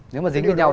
nếu mà dính với nhau